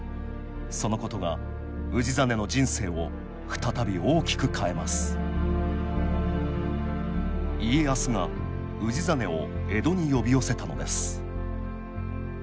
そのことが氏真の人生を再び大きく変えます家康が氏真を江戸に呼び寄せたのです